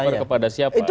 member kepada siapa